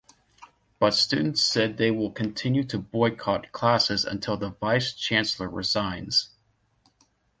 But students said they will continue to boycott classes until the Vice Chancellor resigns.